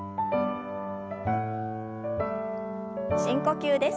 深呼吸です。